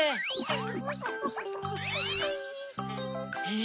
え？